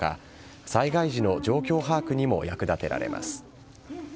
災害時の状況把握にも役立てられます。